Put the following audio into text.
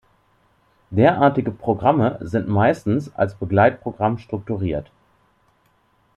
Derartige Programme sind meistens als Begleitprogramm strukturiert.